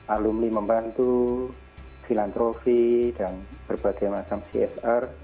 alumni membantu filantrofi dan berbagai macam csr